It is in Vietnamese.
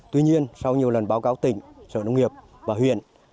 tuy nhiên sau nhiều lần báo cáo tỉnh sở nông nghiệp và huyện